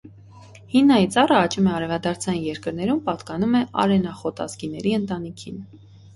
Հինայի ծառը աճում է արևադարձային երկրներում, պատկանում է արենախոտազգիների ընտանիքին։